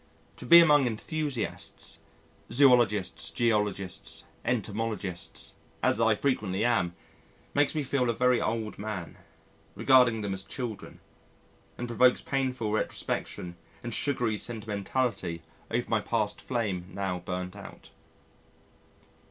To be among enthusiasts zoologists, geologists, entomologists as I frequently am, makes me feel a very old man, regarding them as children, and provokes painful retrospection and sugary sentimentality over my past flame now burnt out.